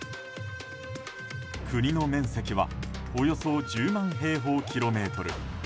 国の面積はおよそ１０万平方キロメートル。